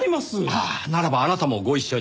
ああならばあなたもご一緒に。